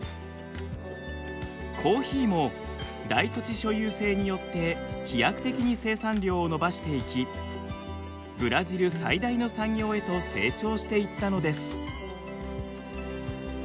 コーヒーも大土地所有制によって飛躍的に生産量を伸ばしていきブラジル最大の産業へと成長していったのです。